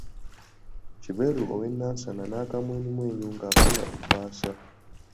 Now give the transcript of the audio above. Kiberu ow’e Nansana n'akamwenyumwenyu nga afuna ebbaasa.